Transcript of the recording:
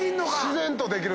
自然とできる。